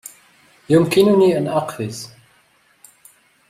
يمكنني أن أقفز.